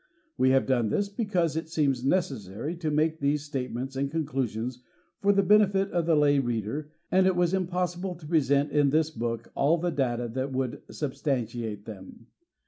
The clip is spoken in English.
We have done this because it seems necessary to make these statements and conclusions for the benefit of the lay reader, and it was impossible to present in this book all of the data that would substantiate them.